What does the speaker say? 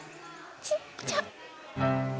ちっちゃ！